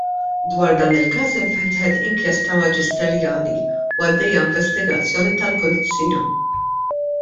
Dwar dan il-każ infetħet inkjesta maġisterjali u għaddejja investigazzjoni tal-Pulizija.